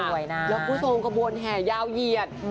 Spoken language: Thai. สวยนะคุณผู้ชมขบวนแหย่เยียด